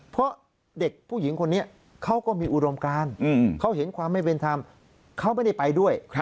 เพราะเด็กผู้หญิงคนนี้เขาก็มีอุดมการเขาเห็นความไม่เป็นธรรมเขาไม่ได้ไปด้วย